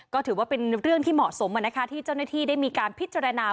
ก็ถือว่าเป็นเรื่องที่เหมาะสมที่เจ้าหน้าที่ได้มีการพิจารณา